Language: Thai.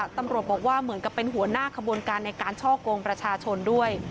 ตำรวจบอกว่าเหมือนกับเป็นหัวหน้าขบวนการในการช่อกงประชาชนด้วย